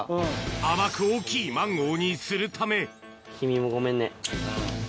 甘く大きいマンゴーにするた君もごめんね。